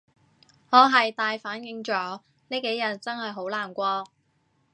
我係大反應咗，呢幾日真係好難過